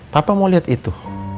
papa mau lihat itu